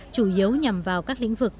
chủ yếu nhằm vào các lĩnh vực